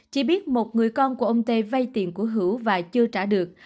chỉ biết một người con của ông tê vay tiền của hữu và chưa trả được